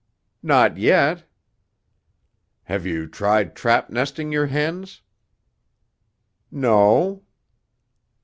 "Not yet." "Have you tried trap nesting your hens?" "No."